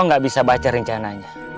gue gak bisa baca rencananya